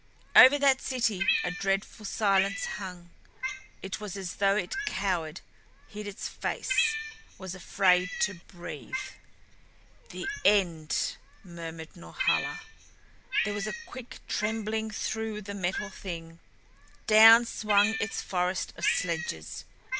Over that city a dreadful silence hung. It was as though it cowered, hid its face, was afraid to breathe. "The end!" murmured Norhala. There was a quick trembling through the Metal Thing. Down swung its forest of sledges.